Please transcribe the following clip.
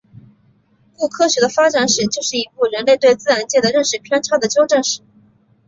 故科学的发展史就是一部人类对自然界的认识偏差的纠正史。